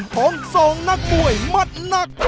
ของสองนักมวยมัดหนัก